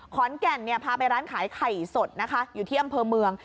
ขอนแก่นเนี่ยพาไปร้านขายไข่สดนะคะอยู่ที่อำเภอเมือง